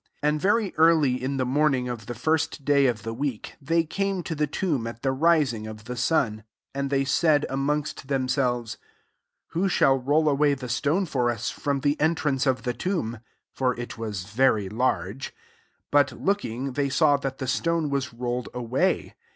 2 And very early in the morning of the first day of the week, they came to the tomb at the riung of the sun. 3 And they said amongst themselves, « Who shall roll away the stone fiMT us, from the entrance of the tomb?'* 4 (For it was very borg^) But looking, they saw that the stone was rolled away.